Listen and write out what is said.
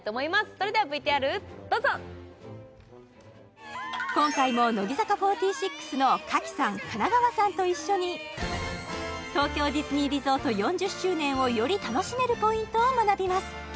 それではＶＴＲどうぞ今回も乃木坂４６の賀喜さん金川さんと一緒に東京ディズニーリゾート４０周年をより楽しめるポイントを学びます